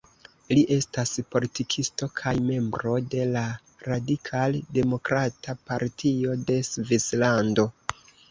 Li estas politikisto kaj membro de la Radikal-demokrata partio de Svislando.